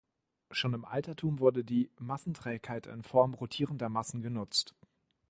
Schon im Altertum wurde die Massenträgheit in Form rotierender Massen genutzt.